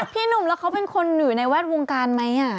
พี่หนุ่มแล้วเขาเป็นคนอยู่ในแวดวงการไหม